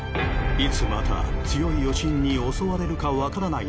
いつまた強い余震に襲われるか分からない